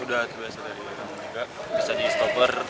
udah terpesa dari ranguniga